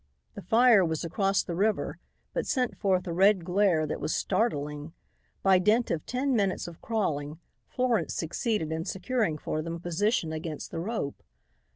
The fire was across the river but sent forth a red glare that was startling. By dint of ten minutes of crawling Florence succeeded in securing for them a position against the rope.